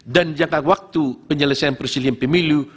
dan jangka waktu penyelesaian persilihan pemilu